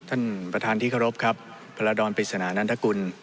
ท่านประธานที่เคารพครับพรดรปริศนานันทกุล